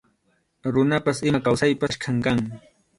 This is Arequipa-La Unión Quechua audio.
Runapas ima kawsaypas achkam kan.